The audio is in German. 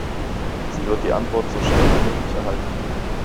Sie wird die Antwort so schnell wie möglich erhalten.